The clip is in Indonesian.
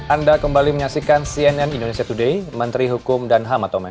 anda kembali menyaksikan cnn indonesia today menteri hukum dan hamatomen